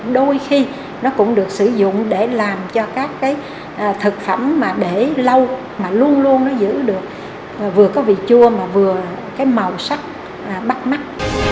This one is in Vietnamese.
đôi khi nó cũng được sử dụng để làm cho các cái thực phẩm mà để lâu mà luôn luôn nó giữ được vừa có vị chua mà vừa cái màu sắc bắt mắt